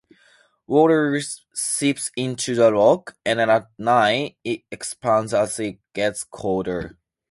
Water seeps into the rock, and at night it expands as it gets colder.